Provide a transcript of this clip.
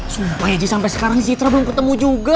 supaya ji sampe sekarang zitra belum ketemu juga